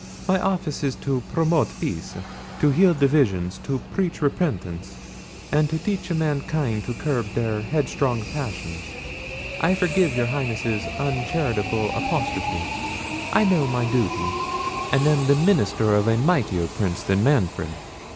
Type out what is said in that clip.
My office is to promote peace, to heal divisions, to preach repentance, and teach mankind to curb their headstrong passions. I forgive your Highness's uncharitable apostrophe; I know my duty, and am the minister of a mightier prince than Manfred.